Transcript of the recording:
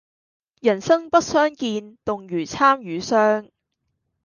人生不相見，動如參與商。